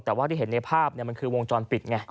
แต่ว่าที่เห็นในภาพมันคือวงจรปิดไง